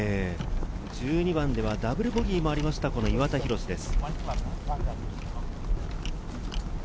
１２番ではダブルボギーもありました、岩田寛です。